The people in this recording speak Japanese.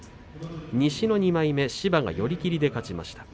西の２枚目芝が寄り切りで勝ちました。